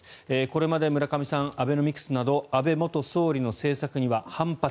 これまで村上さんアベノミクスなど安倍元総理の政策には反発。